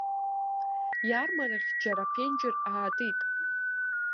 Иармарахь џьара аԥенџьыр аатит.